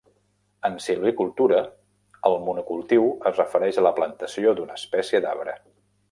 En silvicultura, el monocultiu es refereix a la plantació d'una espècie d'arbre.